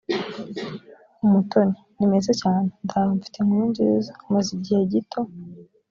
umutoni ni meza cyane ndaho mfite inkuru nziza maze igihe gito